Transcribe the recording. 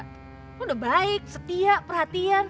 aku udah baik setia perhatian